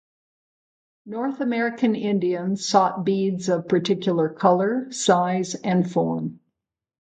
North American Indians sought beads of particular color, size and form.